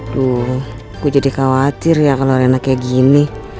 aduh aku jadi khawatir ya kalau rena kayak gini